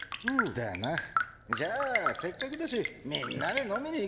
だな。じゃあせっかくだしみんなで飲みに行くか。